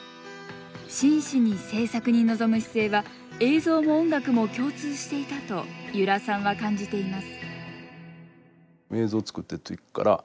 真摯に制作に臨む姿勢は映像も音楽も共通していたと由良さんは感じています